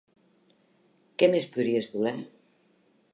Què més podies voler?